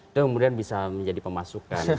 itu kemudian bisa menjadi pemasukan